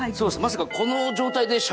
まさか。